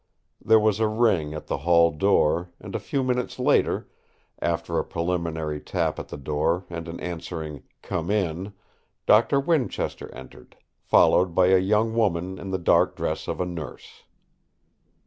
There was a ring at the hall door, and a few minutes later, after a preliminary tap at the door and an answering "Come in!" Doctor Winchester entered, followed by a young woman in the dark dress of a nurse.